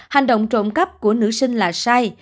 hành động trộm cắp của nữ sinh là sai